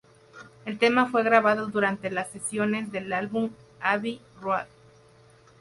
El tema fue grabado durante las sesiones del álbum "Abbey Road".